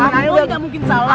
aneh udah mungkin salah